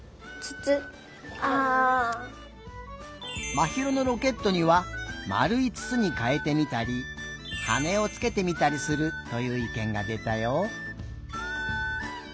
まひろのロケットにはまるいつつにかえてみたりはねをつけてみたりするといういけんがでたよ。